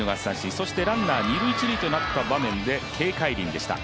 そしてランナー、二・一塁となった場面で、奚凱琳でした。